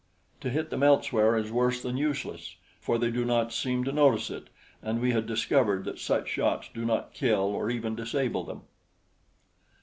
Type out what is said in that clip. To hit them elsewhere is worse than useless, for they do not seem to notice it, and we had discovered that such shots do not kill or even disable them.